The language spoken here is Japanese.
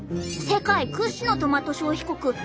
世界屈指のトマト消費国